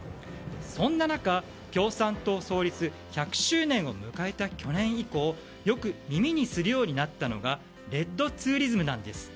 そんな中、共産党創立１００周年を迎えた去年以降よく耳にするようになったのがレッドツーリズムなんです。